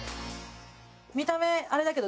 見た目あれだけど。